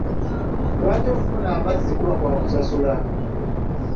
Lwaki okufuna amazzi kuba kwa kusasula?